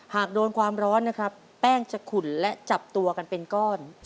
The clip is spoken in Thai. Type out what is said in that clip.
หากโดนความร้อนนะครับแป้งจะขุ่นและจับตัวกันเป็นก้อน